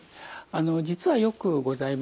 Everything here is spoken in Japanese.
あの実はよくございます。